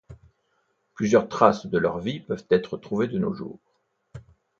Plusieurs traces de leur vie peuvent être trouvées de nos jours.